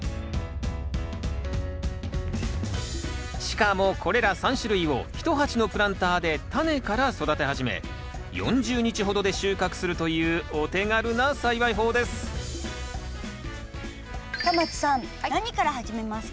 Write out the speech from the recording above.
しかもこれら３種類を１鉢のプランターでタネから育て始め４０日ほどで収穫するというお手軽な栽培法です深町さん何から始めますか？